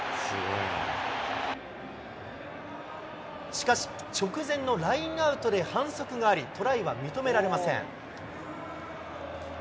しかし、直前のラインアウトで反則があり、トライは認められません。